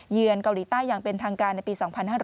เกาหลีใต้อย่างเป็นทางการในปี๒๕๕๙